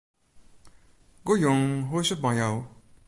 Goejûn, hoe is 't mei jo?